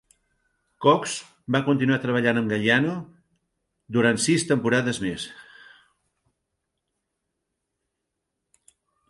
Cox va continuar treballant amb Galliano durant sis temporades més.